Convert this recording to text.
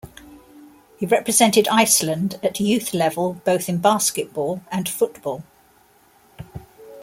He represented Iceland at youth level both in basketball and football.